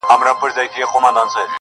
د بلبلکو له سېلونو به وي ساه ختلې-